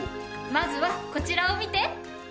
まずはこちらを見て。